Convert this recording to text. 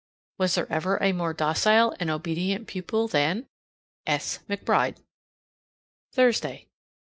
Was there ever a more docile and obedient pupil than S. McBRIDE? Thursday.